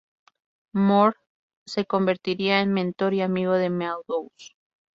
Moore se convertiría en mentor y amigo de Meadows.